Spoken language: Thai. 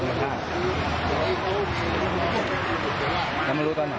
ไปโบกรถจักรยานยนต์ของชาวอายุขวบกว่าเองนะคะ